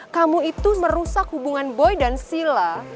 kamu itu merusak hubungan boy dan sila